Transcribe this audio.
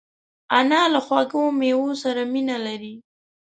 انا له خوږو مېوو سره مینه لري